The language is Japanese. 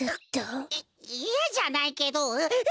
いいやじゃないけどうわ！